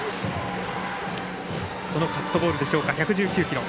そのカットボールでしょうか１１９キロ。